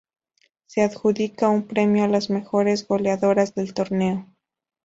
Se adjudica un premio a las mejores goleadoras del Torneo.